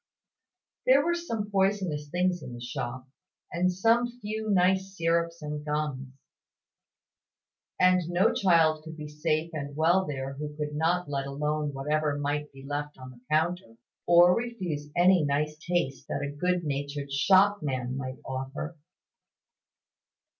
There were some poisonous things in the shop, and some few nice syrups and gums; and no child could be safe and well there who could not let alone whatever might be left on the counter, or refuse any nice taste that a good natured shopman might offer.